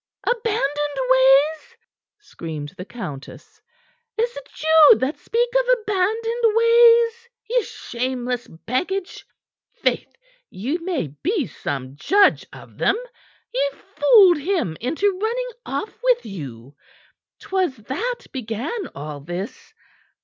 "Abandoned ways?" screamed the countess. "Is't you that speak of abandoned ways, ye shameless baggage? Faith, ye may be some judge of them. Ye fooled him into running off with you. 'Twas that began all this.